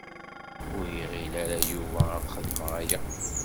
Ur iɣil ara Yuba ad xedmeɣ aya.